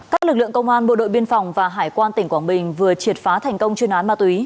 các lực lượng công an bộ đội biên phòng và hải quan tỉnh quảng bình vừa triệt phá thành công chuyên án ma túy